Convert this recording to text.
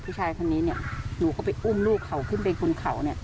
ปกติฉันเนี่ยหนูไปอุ้มลูกเขาขึ้นไว้บนเข่าเนี่ย